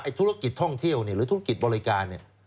ไอ้ธุรกิจท่องเที่ยวหรือธุรกิจบริการ